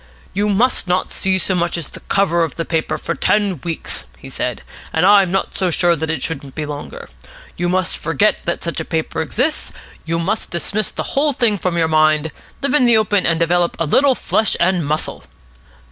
"You must not see so much as the cover of the paper for ten weeks," he said. "And I'm not so sure that it shouldn't be longer. You must forget that such a paper exists. You must dismiss the whole thing from your mind, live in the open, and develop a little flesh and muscle."